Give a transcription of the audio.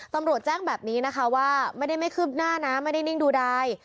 สำรวจแจ้งแบบนี้นะคะว่าไม่ได้ไม่เคิบหน้าไม่ได้ดูได้